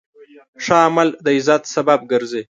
ښه عمل د عزت سبب ګرځي.